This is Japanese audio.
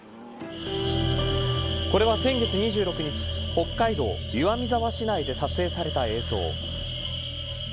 これは先月２６日北海道岩見沢市内で撮影された映像。